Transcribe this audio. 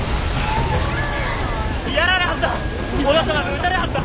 やられはった！